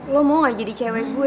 lo mau gak jadi cewek gue